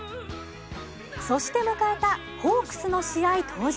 そして迎えたホークスの試合当日。